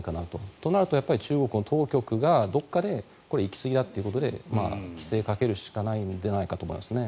となると中国の当局がどこかでこれは行きすぎだということで規制をかけるしかないんではないかと思いますね。